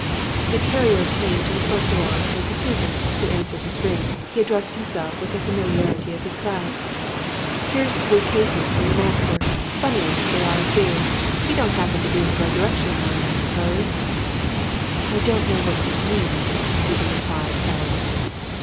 "The carrier came to the front door and to Susan, who answered his ring, he addressed himself with the familiarity of his class. "'Here's three cases for your master. Funny uns, they are, too. He don't happen to be in the resurrection line, I suppose?' "'I don't know what you mean,' Susan replied, sourly.